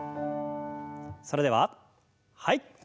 それでははい。